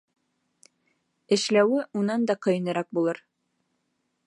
— Эшләүе унан да ҡыйыныраҡ булыр!..